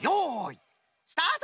スタート！